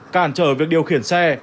cản trở việc điều khiển xe